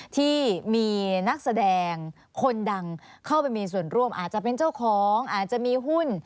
ที่มีนักแสดงคนดังเข้าไปมีส่วนร่วมอาจจะเป็นเจ้าของอาจจะมีหุ้น